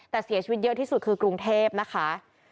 แต่เสียชีวิตเยอะที่สุดคือกรุงเทพนะคะ